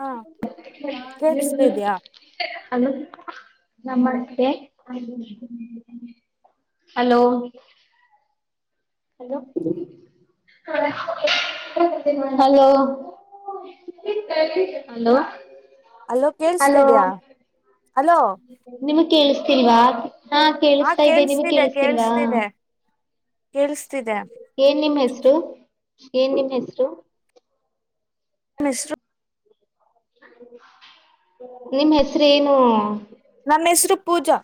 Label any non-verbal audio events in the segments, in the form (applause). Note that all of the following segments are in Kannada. ಹಾ ಕೇೇಳಸ್ತಿದ್ಯಾ ಹಲೋ ನಮಸ್ತೆ hello hello hello hello hello hello ಕೇೇಳಸ್ತಿದ್ಯಾ ಅಲೋ ನಿಮ ಕೇಳಿಸತಿಲ್ವಾ ಹಾ ಕೇಳಿಸತಾ ಇದ್ದೆ ನಿಮ್ ಕೇೇಳಸ್ತಿದೆ ಕೇಳಿಸತಿಲ್ವಾ. ಕೇೇಳಸ್ತಿದೆ ಕೇೇಳಸ್ತಿದೆ ಏನ್ ನಿಮ್ಮ್ ಹೆಸರು ಏನ್ ನಿನ್ನ ಹೆಸರು. ನಮ್ಮ ಹೆಸರು ನಿಮ್ಮ್ ಹೆಸರು ಏನು. ನಮ್ ಹೆಸರು ಪೂಜಾ.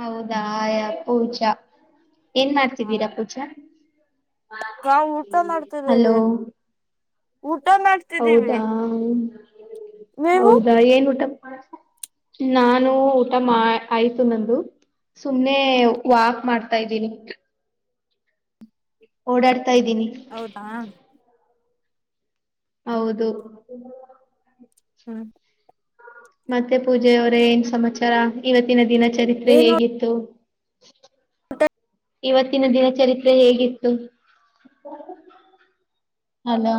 ಹೌದಾ ಯಾ ಪೂಜಾ ಏನ್ ಮಾಡ್ತಿದೀರಾ ಪೂಜಾ. ನಾ ಊಟಾ ಮಾಡ್ತಿದ್ದೀವಿ. ಹಲೋ ಊಟ ಮಾಡ್ತಿದ್ದೀವಿ ಹೌದಾ ನೀವು ಹೌದಾ ಏನ್ ಊಟ. ನಾನು ಊಟ ಮಾಡ್ ಆಯ್ತು ನಂದು ಸುಮ್ನೆ ಹ್ಮ್ ವಾಕ್ ಮಾಡ್ತ. ತಾ ಇದ್ದೀನಿ. ಓಡಾಡ್ತಾ ಇದ್ದೀನಿ. ಹೌದಾ ಹೌದು. ಹ್ಮ್. ಮತ್ತೆ ಪೂಜಾ ಅವರೆ ಏನ್ ಸಮಾಚಾರ ಇವತ್ತಿನ ದಿನ ಚರಿತ್ರೆ ಏನು ಹೇಗಿತ್ತು. (inaudible) ಇವತ್ತಿನ ದಿನಚರಿತ್ರೆ ಹೇಗಿತ್ತು. ಅಲೋ.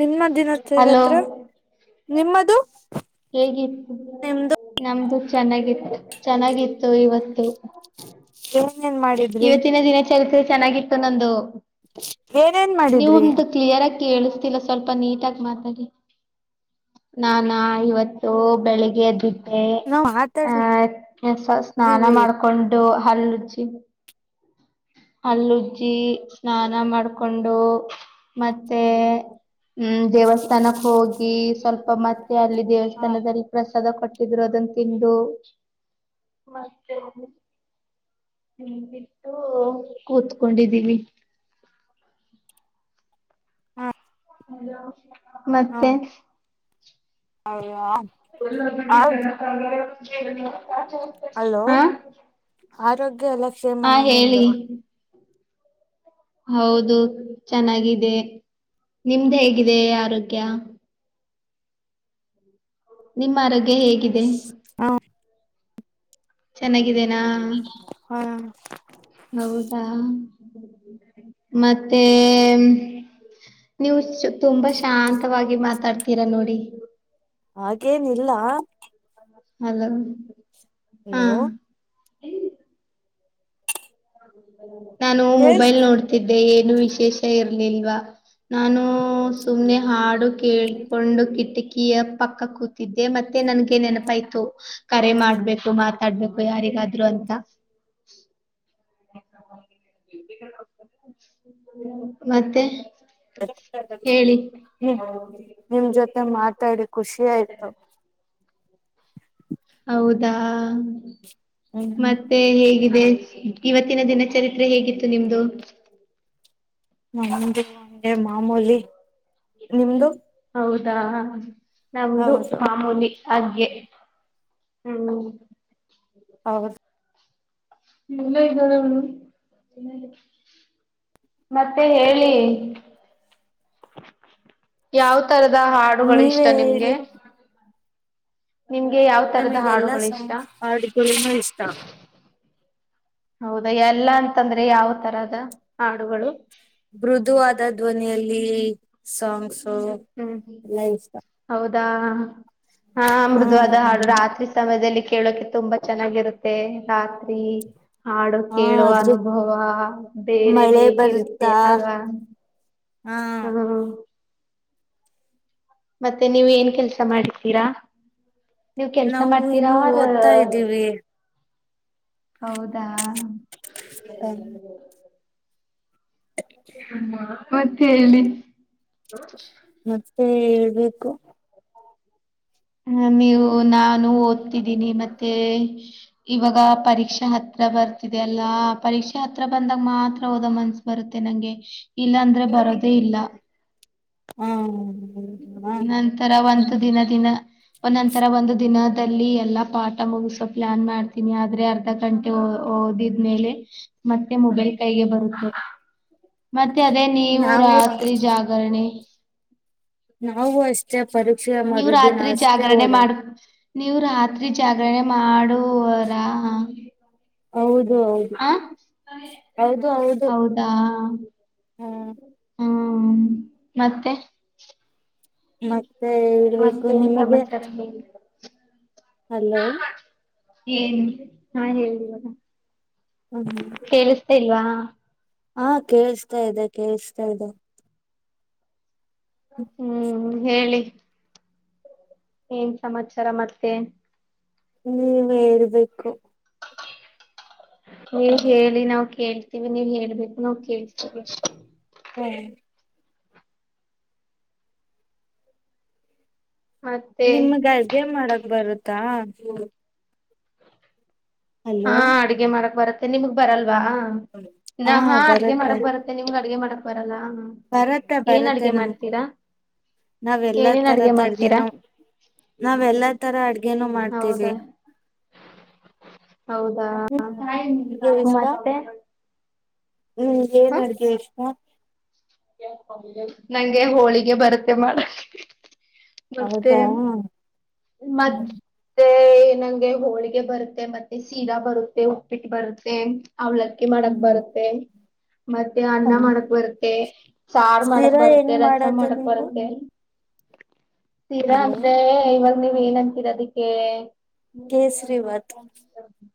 ನಿಮ್ಮಹ ದಿನ ಚರಿತ್ರೆ ನಿಮ್ಮದು. ಹೇಗಿತ್ತು ನಿಮ್ದು ನಮ್ದು. ಚೆನ್ನಾಗಿತ್ತು ಚೆನ್ನಾಗಿತ್ತು ಇವತ್ತು. ಏನೇನ್ ಮಾಡಿದ್ರಿ ಇವತ್ತಿನ ದಿನ ಚರಿತ್ರೆ ಚೆನ್ನಾಗಿತ್ತು ನಂದು. ಏನೇನ್ ನೀವ ಮಾಡಿದ್ರಿ ಒಂದ ಕ್ಲಿಯರ್ ಆಗಿ ಕೇಳಿಸ್ತಿಲ್ಲ ಸ್ವಲ್ಪ ನೀಟಾಗಿಿ ಮಾತಾಡಿ. ನಾನಾ ಇವತ್ತು ಬೆಳಿಗ್ಗೆ ಎದ್ದು. ಮೇ ನಾವ್ ಆ ಮಾತಾಡ್ತಿದ್ದೀವಿ ಕೆಸ ಸ್ನಾನ ಮಾಡ್ಕೊಂಡು ಹಲ್ಲ ಉಜ್ಜಿ. (inaudible) ಹಲ್ಲುಜ್ಜಿ ಸ್ನಾನ ಮಾಡ್ಕೊಂಡು ಮತ್ತೆ. ಹ್ಮ್ ದೇವಸ್ಥಾನಕ್ಕೆ ಹೋಗಿ ಸ್ವಲ್ಪ ಮತ್ತೆ ಅಲ್ಲಿ ಹ ದೇವಸ್ಥಾನದಲ್ಲಿ ಪ್ರಸಾದ ಕೊಟ್ಟ. ಕೊಟ್ಟಿರೋ ಅದನ್ನ ತಿಂದು ಮತ್ತೆ. ಬಿಟ್ಟು ಕೂತ್ಕೊಂಡಿದ್ದೀವಿ. ಹ್ಮ. ಮತ್ತೆ. ಹೌದಾ. ಎಲ್ಲ ಬಿ. (unintelligible) ಅಲೋ ಹಾ ಆರೋಗ್ಯ ಎಲ್ಲ ಹಾ ಕ್ಷೇಮನ ನಿಮ್ದು ಹೇಳಿ. ಹೌದು ಚೆನ್ನಾಗಿದೆ. ನಿಮ್ದ್ ಹೇಗಿದೆ ಆರೋಗ್ಯ. ನಿಮ್ಮ ಆರೋಗ್ಯ ಹೇಗಿದೆ. ಹಾ. ಚೆನ್ನಾಗಿದ್ದೇನಾ ಹ ಹೌದಾ. ಮತ್ತೆ. ನೀವು ತುಂಬಾ ಶಾಂತವಾಗಿ ಮಾತಾಡ್ತೀರಾ ನೋಡಿ. ಹಾಗೇನಿಲ್ಲ. ಹಲೋ. ಹಾ ಹಲೋ ನಾನು ಕೇಳ್ಸ್ ಮೊಬೈಲ್ ನೋಡ್ತಿದ್ದೆ ಏನು ವಿಶೇಷ ಇರ್ಲಿಲ್ವಾ. ನಾನು ಸುಮ್ನೆ ಹಾಡು ಕೇಳ್ಕೊಂಡು ಕಿಟಕಿಯ ಪಕ್ಕ ಕೂತಿದ್ದೆ ಮತ್ತೆ. ಅದಕೆ ನನಗೆ ನೆನಪಾಯ್ತು ಕರೆ ಮಾಡ್ಬೇಕು ಮಾತಾಡ್ಬೇಕು ಯಾರಿಗಾದ್ರು ಅಂತ. (inaudible) ಮತ್ತೆ. ಹೇಳಿ. ನಿಮ್ ಜೊತೆ (inaudible) ಮಾತಾಡಿ ಖುಷಿ ಆಯ್ತು ಹೌದಾ ಹ್ಮ್ ಮತ್ತೆ ಹೇಗಿದೆ. ಇವತ್ತಿನ ದಿನ ಚರಿತ್ರೆ ಹೇಗಿತ್ತು ನಿಮ್ದು ನ ಅೆ ಮಾಮೂಲಿ ಹ್ಮ ನಿಮ್ದು ಹೌದಾ ನಮ್ದು ಹೌದು ಮಾಮೂಲಿ ಹಾಗಗ್ಗೆ ಹ್ಮ ಹೌದು ಹ್ಮ ಎಲ್ಲ ಇದ ಮತ್ತೆ ಹೇಳಿ ಯಾವ್ ತರದ ಹಾಡುಗಳು ನೀವೇ ಇಷ್ಟ ನಿಮ್ಗೆ ಹೇಳಿ ನಿಮ್ಗೆ ಯಾವ ತರದ ನಮಗೆ ಎಲ್ಲಾ ಹಾಡುಗಳು ಸ ಇಷ್ಟ? ಹಾಡುಗಳನು ಇಷ್ಟ ಹೌದಾ ಎಲ್ಲಾ ಅಂತಂದ್ರೆ ಯಾವ ತರದ ಹಾಡುಗಳು ಮೃದುವಾದ ಧ್ವನಿಯಲ್ಲಿ ಸಾಂಗ್ಸ್ ಹ ಹ್ಮ್ ಎಲ್ಲ ಇಷ್ಟ ಹೌದಾ ಹಾ ಹ್ಮ್ ಮೃದುವಾದ ಹಾಡು ರಾತ್ರಿ ಸಮಯದಲ್ಲಿ ಕೇಳೋಕೆ ತುಂಬಾ ಚೆನ್ನಾಗಿರುತ್ತೆ ರಾತ್ರಿ ಹಾಡು ಹಾ ಕೇಳುವ ಆದ್ರೂ ಅನುಭವ ಮಳೆ ಬೇರೆನೇ ಇರುತ್ತೆ ಅಲ್ವಾ ಹ್ಮ ಹ್ಮ್ ಮತ್ತೆ ನೀವ್ ಏನ್ ಕೆಲ್ಸ ಮಾಡತೀರಾ ನೀವ್ ಕೆಲ್ಸ ನಾವು ಮಾಡ್ತೀರಾ ಇನ್ನು ಅವರ ಓದ್ತಾ ಇದ್ದೀವಿ ಹೌದಾ ಮತ್ತೆ ಹೇಳಿ ಮತ್ತೆ ಹೇಳ್ಬೇಕು ಹ ನೀವು ನಾನು ಓದ್ತಿದ್ದೀನಿ ಮತ್ತೆ ಇವಾಗ ಪರೀಕ್ಷಾ ಹತ್ತ ಹತ್ರ ಬರ್ತಿದೆ ಎಲ್ಲಾ ಪರೀಕ್ಷೆ ಹತ್ರ ಬಂದಾಗ ಮಾತ್ರ ಹೋದ ಮನ್ಸ ಬರುತ್ತೆ ನಂಗೆ ಇಲ್ಲ ಅಂದ್ರೆ ಬರೋದೇ ಇಲ್ಲ ಹ್ಮ ನಂತರ ಒಂದು ದಿನ ದಿನ ನಂತರ ಒಂದು ದಿನ ಎಲ್ಲಾ ಪಾಠ ಮುಗಸೋ ಪ್ಲಾನ್ ಮಾಡ್ತೀನಿ ಆದ್ರೆ ಅರ್ಧ ಗಂಟೆ ಓದಿದ್ಮೇಲೆ ಮತ್ತೆ ಮೊಬೈಲ್ ಕೈಗೆ ಬರುತ್ತೆ ಮತ್ತೆ ಅದೇ ನೀವು ನಾವೇ ರಾತ್ರಿ ಜಾಗರಣೆ ನಾವು ಅಷ್ಟೇ ಪರೀಕ್ಷೆಯ ನೀವ್ ಮರುದಿನ ರಾತ್ರಿ ಅಷ್ಟೇ ಜಾಗರಣೆ ಓದದು ಮಾಡ್ ನೀವು ರಾತ್ರಿ ಜಾಗರಣೆ ಮಾಡುವರಾ ಹೌದು ಹೌದು ಆ ಹೌದು ಹೌದು ಹೌದಾ ಹ್ಮ್ ಹ್ಮ ಮತ್ತೆ ಮತ್ತೆ ಇಳ್ಬೇಕು ಮತ್ತೇನ್ ನಿಮಗೆ ಸಮಾಚಾರ ಹೇಳಿ ಹಲೋ ಏನ್ ಹಾ ಹೇಳಿವ ಹ್ಮ್ ಕೇಳಿಸತಾ ಇಲ್ವಾ ಹಾ ಕೇಳ್ಸ್ತಾ ಇದೆ ಕೇೇಳಸ್ತಾ ಇದೆ ಹ್ಮ್ ಹೇಳಿ ಏನ್ ಸಮಾಚಾರ ಮತ್ತೆ ನೀವ ಹೇಳ್ಬೇಕು ನೀವ ಹ್ಮ್ ಹೇಳಿ ನಾವವು ಕೇಳ್ತೀವಿ ನೀವ್ ಹೇಳ್ಬೇಕು ನಾವ್ ಕೇಳ್ತೀವಿ ಹ್ಮ್ ಮತ್ತೆ ನಿಮಗೆ ಅಡ್ಗೆ ಮಾಡಕ್ ಬರುತ್ತಾ ಹಾ ಹಲೋ ಅಡ್ಗೆ ಮಾರಕ್ ಬರತ್ತೆ ನಿಮಗ್ ಬರಲ್ ಅಲ್ವಾ ನಾ ಹಾ ಅಡ್ಗೆ ಮಾಡಕ್ ಬರತ್ತೆ ನಿಮ್ ಅಡ್ಗೆ ಮಾಡಕ್ ಬರಲ್ಲ ಬರತ್ತೆ ಏನ್ ಬರತ್ತೆ ಅಡ್ಗೆ ನಮ್ಗು ಮಾಡ್ತೀರಾ ನಾವ್ ಎಲ್ಲಾ ಏನೇನ್ ಅಡ್ಗೆ ಮಾಡ್ತೀರಾ ತರದಡ್ದನೋ ನಾವ ಎಲ್ಲಾ ತರ ಅಡ್ಗೆನು ಮಾಡ್ತೀವಿ ಹೌದಾ ಹೌದಾ ನಿಮಗೇನ್ (unintelligible) ಮತ್ತೆ ಹ್ಮ್ ಏನ್ ಹ ಅಡ್ಗೆ ಇಷ್ಟ ನಂಗೆ ಹೋಳಿಗೆ ಬರುತ್ತೆ ಮಾಡ (unintelligible) ಮತ್ತೆ ಹೌದಾ (unintelligible) ಹ ಮತ್ತೆ ಏ ನಂಗೆ ಹೋಳ್ಗೆ ಬರುತ್ತೆ ಮತ್ತೆ ಸೀರಾ ಬರುತ್ತೆ ಉಪ್ಪಿಟ್ಟ ಬರುತ್ತೆ ಅವ್ಲಕ್ಕಿ ಮಾಡಕ್ ಬರುತ್ತೆ ಮತ್ತೆ ಅನ್ನ ಮಾಡಕ್ ಬರುತ್ತೆ ಸಾರ ಮಾಡಕ್ ಶಿರಾ ಬರ್ತ್ತೆ ಹೆಂಗ್ ರಸ ಮಾಡೋದು ಮಾಡಕ್ ನೀವು ಬರತ್ತೆ ಸೀರಾ ಹಲೋ ಅಂದ್ರೆ ಇವಾಗ ನೀವ್ ಏನ್ನ್ಂತೀರ ಅದಿಕ್ಕೆ ಕೇಸರಿ ಮೋಟಿವೇಶನ್ ಬಾತ್ (unintelligible)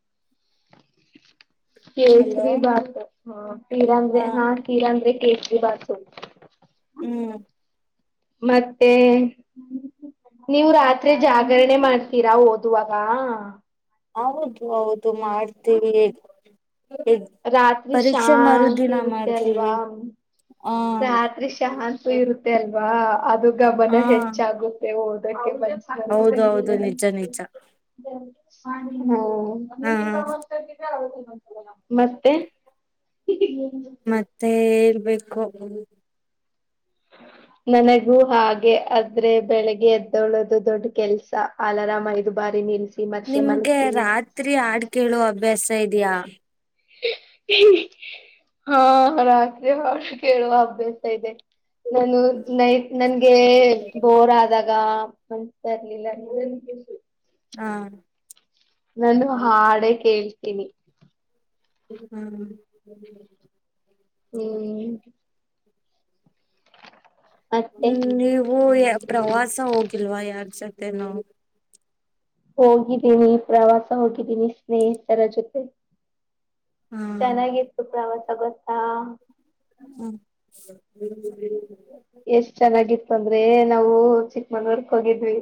ಹಲೋ ಕೇಸರಿ ಭಾತ್ ಹ ಕೀರ ಅಂದ್ರೆ ಹಾ ಕೀರಾ ಅಂದ್ರೆ ಕೇಸರಿ ಭಾತ್ (inaudible) ಹ್ಮ್ ಮತ್ತೆ (unintelligible) ನೀವು ರಾತ್ರಿ ಜಾಗರಣೆ ಮಾಡ್ತೀರಾ ಓದುವಾಗ ಹೌದು ಹೌದು ಮಾಡ್ತೀವಿ (unintelligible) ಎ ರಾತ್ರಿ ಪರೀಕ್ಷೆ ಮರು ಶಾಂತಿ ದಿನ ಇರುತ್ತೆ ಮಾಡ್ತೀವಿ ಅಲ್ವಾ. ಹ ರಾತ್ರಿ ಶಾಂತಿ ಇರುತ್ತೆ ಅಲ್ವಾ ಅದು ಗಮನ ಹಾ ಹೆಚ್ಚಾಗುತ್ತೆ ಹಓದಕ್ಕೆ (unintelligible) ಹೌದು ಹೌದು ನಿಜ ನಿಜ ಹಾ (unintelligible) (unintelligible) ಮ (unintelligible) ತ್ತೆ ಮತ್ತೆ ಇರ್ಬೇಕು (unintelligible) (unintelligible) ನನಗೂ ಹಾಗೆ ಆದ್ರೆ ಬೆಳಿಗ್ಗೆ ಎದ್ದೋಳದು ದೊಡ್ಡ ಕೆಲ್ಸ ಅಲ್ರಾಮ್ ಐದು ಬಾರಿ ನಿಲ್ಸ (unintelligible) ನಿಮ್ಗೆ ರಾತ್ರಿ ಆಡ್ ಕೇಳ್ಒ ಅಭ್ಯಾಸ ಇದಯಾ (unintelligible) ಹಾ ರಾತ್ರಿ ಆಡು ಕೇಳುವ ಅಭ್ಯಾಸ ಇದೆ ನಾನು ನೈಟ್ ನನ್ಗೆ ಬೋರ್ ಆದಾಗ ಅ್ತಾ ಇರ್ಲಿಲ್ಲ ನೀ (unintelligible) ಹಾ (inaudible) ನಾನು ಹಾಡೆೇ ಕೇಳ್ತೀನಿ ಹ್ಮ್ (unintelligible) ಹ್ಮ್ (inaudible) ಹ್ಮ್ ನೀವು (unintelligible) ಪ್ರವಾಸ ಹೋಗಿಲ್ವಾ ಯಾರ್ ಜೊತೆ ನೂ ಹೋಗಿದ್ದೀನಿ ಪ್ರವಾಸ ಹೋಗಿದ್ದೀನಿ ಸ್ನೇಹಿತರ ಜೊತೆ ಹ್ಮ ಚೆನ್ನಾಗಿತ್ತು ಪ್ರವಾಸ ಗೊತ್ತಾ ಹ್ಮ್ (unintelligible) ಎಷ್ಟ್ ಚೆನ್ನಾಗಿತ್ತು ಅಂದ್ರೆ ನಾವು ಚಿಕ್ಕಮಂಗ್ಳೂರ್ಕ್ ಹೋಗಿದ್ವಿ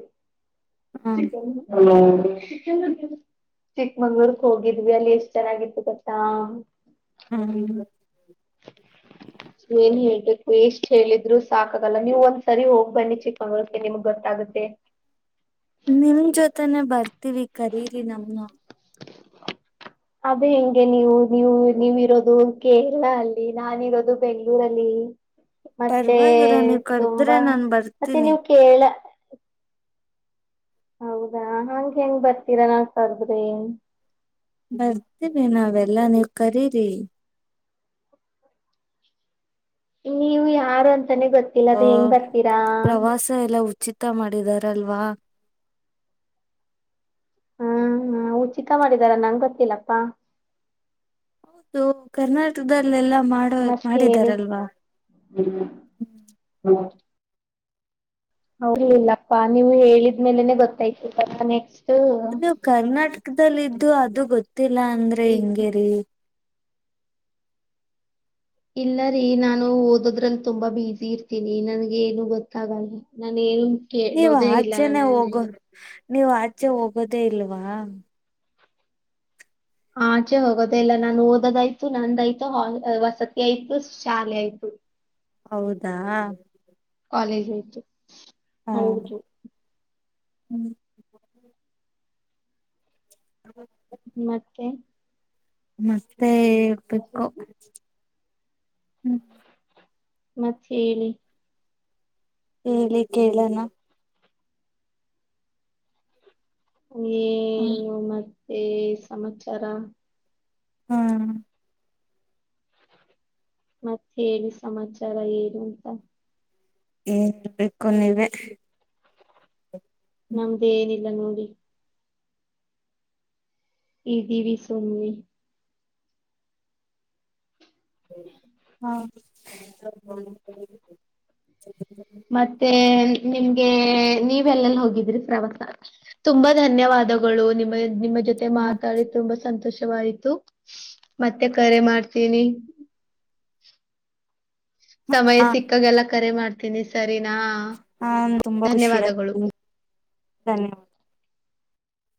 (unintelligible) ಹ್ಮ್ (inaudible) (unintelligible) ಚಿಕ್ಕಮಂಗ್ಳೂರ್ಕ್ ಹೋಗಿದ್ವಿ ಅಲ್ಲಿ ಎಷ್ಟ ಚೆನ್ನಾಗಿತ್ತು ಗತ್ತಾ ಹಾ (unintelligible) (inaudible) ಏನ್ ಹೇಳ್ಬೇಕು ಎಷ್ಟ್ ಹೇಳಿದ್ರು ಸಾಕಾಗಲ್ಲ ನೀವು್ ಒಂದ್ಸರಿ ಹೋಗ್ ಬನ್ನಿ ಚಿಕ್ಕಮಂಗಳರ್ ನಿಮ್ಗ್ ಗೊತ್ತ (unintelligible) ಆಗುತ್ತೆ (unintelligible) ನಿಮ್ ಜೊತೆನೆ ಬರ್ತೀವಿ ಕರೀರಿ ನನ್ನು (inaudible) ಅದೇ ಹೆಂಗೆ ನೀವು ನೀವು ನೀವಿರೋದು ಕೇರಳ ಅಲ್ಲಿ ನಾನಿರೋದು ಬೆಂಗ್ಗಳೂರಲ್ಲಿ ಮತ್ತೆ ಪರವಾಗಿಲ್ಲ ನೀವ್ ಕರ್ದ್ರೆ ತುಂಬಾ ನಾನ್ ಮತ್ತೆ ಬರ್ತೀನಿ ನೀವ ಕೇಳ (unintelligible) ಹೌದಾ ಹಂಗೆ ಹೆಂಗ ಬರ್ತೀರಾ ನಾ ಸರ್ದ್ರಿ (unintelligible) ಬರ್ತೀವಿ ನಾವೆಲ್ಲಾ ನೀವು ಕರೀರಿ ನೀವು ಯಾರು ಅಂತಾನೆ ಗೊತ್ತಿಲ್ಲ ಅ ಅದು ಹೆಂಗ್ ಬರ್ತೀರಾ ಎಂತ ಮಾಡಿದಾರಲ್ವಾ ಹೂ ಹೂ ಚಿಕ್ಕ ಮಾಡಿದಾರ ನಂಗ ಗೊತ್ತಿಲ್ಲಪ್ಪಾ ಹೌದು ಕರ್ನಾಟಕದಲ್ಲೆಲ್ಲಾ ಮಾಡೋ ಮತ್ ಹೇಳಿ ಮಾಡಿದಾರೆಲ್ವಾ ಹೌಿಲ್ಲಪ್ಪಾ ನೀವು ಹೇಳಿದ್ಮೇಲೆನೆ ಗೊತ್ತಾಯ್ತು ನೆಕ್ಸ್ಟ್ ನೀವು ಕರ್ನಾಟಕದಲ್ಲಿಇದಿದ್ದು ಅದು ಗೊತ್ತಿಲ್ಲ ಅಂದ್ರೆ ಇದ್ ಹಿಂಗೇರಿ ಇಲ್ಲ ರೀ ನಾನು ಓದದ್ರಲ್ಲಿ ತುಂಬಾ ಬಸಿ ಇರ್ತೀನಿ ನನ್ಗೆ ಏನು ಗೊತ್ತಾಗಲ್ಲ ನಾನ ಏನು ನೀವ್ ಕೇಳೋದೇ ಇಲ್ಲ ಆಚೆನೆ ಹೋಗೋ ನಾನು ನೀವ್ ಆಚೆ ಹೋಗೋದೇ ಇಲ್ವಾ ಆಚೆ ಹೋಗೋದೆ ಇಲ್ಲ ನಾನು ಓದೋದಾಯ್ತು ನಂದಾಯ್ತು ವಸತಿ ಆಯ್ತು ಶಾಲೆ ಆಯ್ತು ಹೂ ಹೌದಾ ಕಾಲೇಜ ಆಯ್ತು ಹೌದು ಹೂ ಮತ್ತೆ ಮತ್ತೆ ಕೇಳ್ಬೇಕು ಹೂ ಮತ್ತೆ ಹೇಳಿ ಹೇಳಿ ಕೇಳಣ ಏನು ಮತ್ತೆ ಏನ್ ಸಮಾಚಾರ ಹೂ ಮತ್ತ ಏನು ಸಮಾಚಾರ ಏನು ಅಂತ ಏನ್ರ್ಬೇಕು ನೀವೇ ನಮ್ದು ಏನಿಲ್ಲ ನೋಡಿ ಇದೀವಿ ಸುಮ್ನೆ ಹಾ ಮತ್ತೆ ನಿಮ್ಗೆ ನೀವೆಲ್ಲಲ್ಲ ಹೋಗಿದ್ರಿ ಪ್ರವಾಸಕ್ಕೆ ತುಂಬಾ ಧನ್ಯವಾದಗಳು ನಿಮ್ಮ ನಿಮ್ಮ ಜೊತೆ ಮಾತಾಡಿ ತುಂಬಾ ಸಂತೋಷ ಇವಾಯ್ತು ಮತ್ತೆ ಕರೆ ಮಾಡ್ತೀನಿ ಸಮಯ ಹಾ ಸಿಕ್ಕಾಗಲ್ಲ ಕರೆ ಮಾಡ್ತೀನಿ ಸರಿ ನಾ ಹಾ ತುಂಬಾ ಖುಷಿ ಧನ್ಯವಾದಗಳು ಆಯ್ತು ಧನ್ಯವಾದ